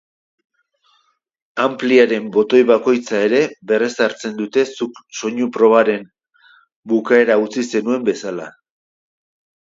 Anpliaren botoi bakoitza ere berrezartzen dute zuk soinu probaren bukaera utzi zenuen bezala.